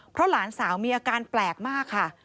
เพราะหลานสาวมีอาการแปลกมากค่ะ